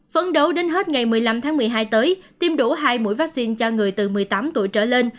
phấn đấu đến hết ngày một mươi năm tháng một mươi hai tới tiêm đủ hai mũi vaccine cho người từ một mươi tám tuổi trở lên